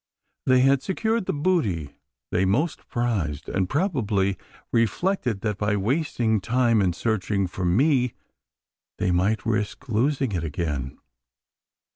They had secured the booty they most prized; and, probably, reflected that, by wasting time in searching for me, they might risk losing it again.